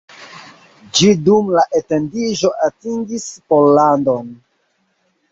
Ĝi dum la etendiĝo atingis Pollandon.